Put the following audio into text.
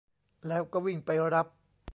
แล้วก็วิ่งไปรับ